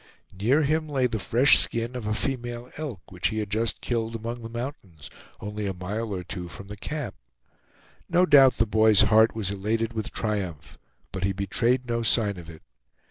Near him lay the fresh skin of a female elk, which he had just killed among the mountains, only a mile or two from the camp. No doubt the boy's heart was elated with triumph, but he betrayed no sign of it.